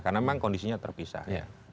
karena memang kondisinya terpisah